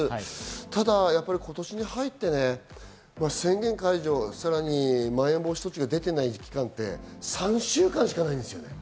ただ、今年に入って宣言解除、さらにまん延防止措置が出てない期間って３週間しかないんです。